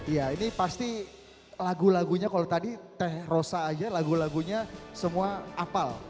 ya ini pasti lagu lagunya kalau tadi teh rosa aja lagu lagunya semua apal